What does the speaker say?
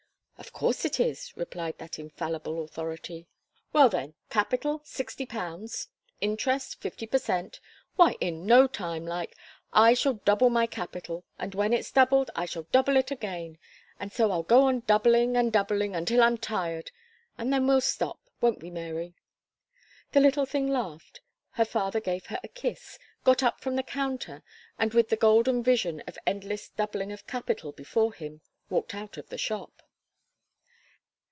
"Of course it is," replied that infallible authority. "Well then: capital, sixty pounds; interest, fifty per cent. Why, in no time, like, I shall double my capital; and when it's doubled, I shall double it again and so I'll go on doubling and doubling until I'm tired and then we'll stop. Won't we, Mary?" The little thing laughed; her father gave her a kiss; got up from the counter, and with the golden vision of endless doubling of capital before him, walked out of the shop.